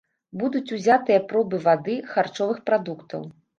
Будуць узятыя пробы вады, харчовых прадуктаў.